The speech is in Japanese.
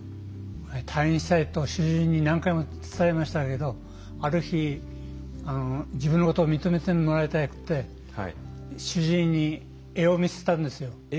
退院したいと何回も主治医に伝えましたけどある日、自分のことを認めてもらいたくて主治医に絵を見せたんですよ。